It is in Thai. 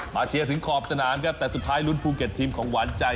เชียร์ถึงขอบสนามครับแต่สุดท้ายลุ้นภูเก็ตทีมของหวานใจ